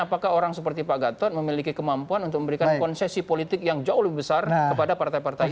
apakah orang seperti pak gatot memiliki kemampuan untuk memberikan konsesi politik yang jauh lebih besar kepada partai partai